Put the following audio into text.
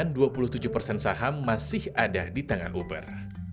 untuk tiongkok unit bisnisnya dijual ke grab dengan dua puluh tujuh persen saham masih ada di tangan uber